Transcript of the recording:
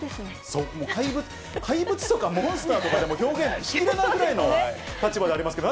そう、怪物とかモンスターとかでも表現しきれないぐらいの立場でありますけれども。